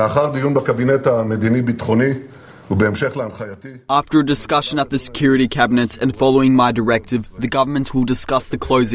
setelah perbincangan di kabinet keamanan dan kemudian di al khayati